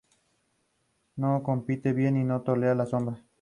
Su abuelo había sido João Álvaro da Silva, militar e inventor.